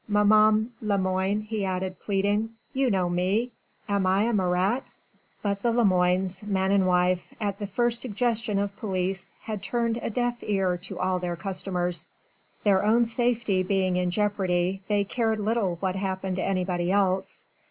Maman Lemoine," he added pleading, "you know me. Am I a Marat?" But the Lemoines man and wife at the first suggestion of police had turned a deaf ear to all their customers. Their own safety being in jeopardy they cared little what happened to anybody else.